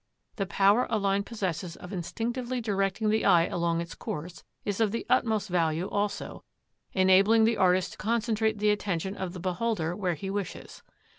The power a line possesses of instinctively directing the eye along its course is of the utmost value also, enabling the artist to concentrate the attention of the beholder where he wishes.